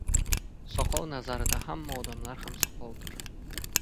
Soqov nazarida hamma odamlar ham soqovdir.